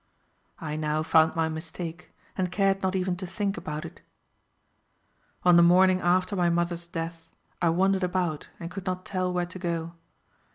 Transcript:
I now found my mistake, and cared not even to think about it. On the morning after my mother's death I wandered about, and could not tell where to go.